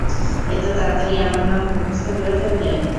এত তাড়াতাড়ি আমার নাম মুখস্থ করে ফেললে?